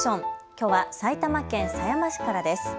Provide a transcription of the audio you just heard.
きょうは埼玉県狭山市からです。